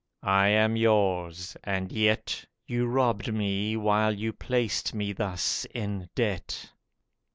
I am yours: and yet You robbed me while you placed me thus in debt.